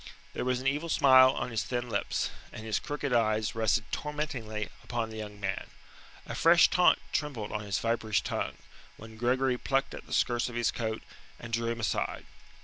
There was an evil smile on his thin lips, and his crooked eyes rested tormentingly upon the young man. A fresh taunt trembled on his viperish tongue, when Gregory plucked at the skirts of his coat, and drew him aside.